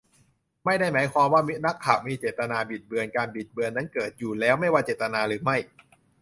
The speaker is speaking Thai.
ไม่ได้หมายถึงว่า นักข่าวมีเจตนาบิดเบือน การบิดเบือนนั้นเกิดอยู่แล้ว ไม่ว่าเจตนาหรือไม่